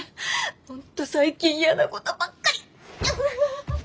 本当最近イヤなことばっかり。